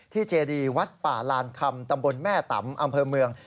เจดีวัดป่าลานคำตำบลแม่ตำอำเภอเมือง